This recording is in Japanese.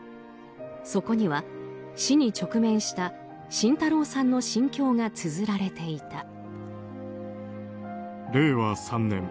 そこには、死に直面した慎太郎さんの心境がつづられていた。